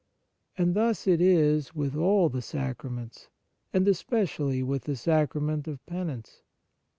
And thus it is with all the sacra ments, and especially with the sacra ment of penance.